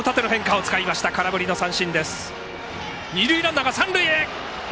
二塁ランナーは三塁へ。